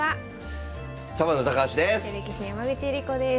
サバンナ高橋です。